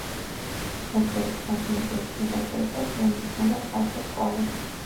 ზოგჯერ ფრაგმენტის შიდა პირზე შეინიშნება ჩარხის კვალი.